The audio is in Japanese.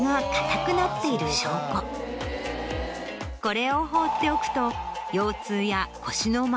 これを放っておくと。